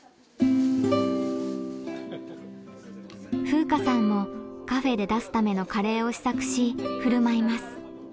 風夏さんもカフェで出すためのカレーを試作し振る舞います。